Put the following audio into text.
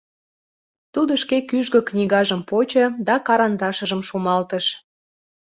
Тудо шке кӱжгӧ книгажым почо да карандашыжым шумалтыш.